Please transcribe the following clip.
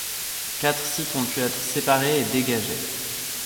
Quatre sites ont pu être séparés et dégagés.